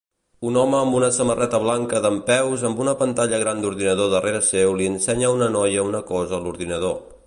Un home amb una samarreta blanca dempeus amb una pantalla gran d'ordinador darrere seu li ensenya a una noia una cosa a l'ordinador